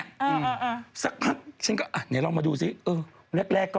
อ้าวทำไมเอาไปทิ้งแยะ